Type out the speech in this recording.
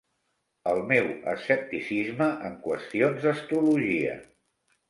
El meu escepticisme en qüestions d'astrologia.